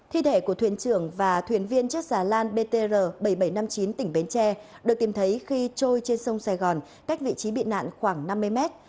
thi đẻ của thuyền trưởng và thuyền viên chiếc xà lan btr bảy nghìn bảy trăm năm mươi chín tỉnh bến tre được tìm thấy khi trôi trên sông sài gòn cách vị trí bị nạn khoảng năm mươi mét